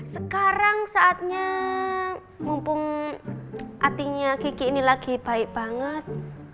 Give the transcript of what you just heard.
sekarang saatnya mumpung atinya kiki ini lagi baik banget